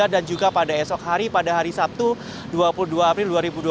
dan juga pada esok hari pada hari sabtu dua puluh dua april dua ribu dua puluh tiga